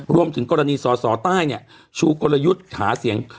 รวมถึงกรณีสอสอใต้เนี่ยชูกลยุทธ์หาเสียง